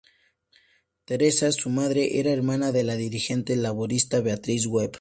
Theresa, su madre, era hermana de la dirigente laborista Beatrice Webb.